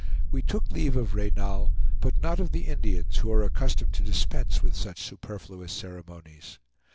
We took leave of Reynal, but not of the Indians, who are accustomed to dispense with such superfluous ceremonies.